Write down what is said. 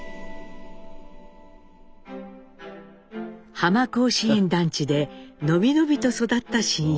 浜甲子園団地で伸び伸びと育った真一。